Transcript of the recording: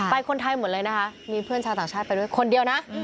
คนไทยหมดเลยนะคะมีเพื่อนชาวต่างชาติไปด้วยคนเดียวนะ